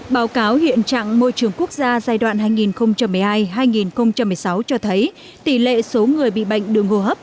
báo cáo hiện trạng môi trường quốc gia giai đoạn hai nghìn một mươi hai hai nghìn một mươi sáu cho thấy tỷ lệ số người bị bệnh đường hô hấp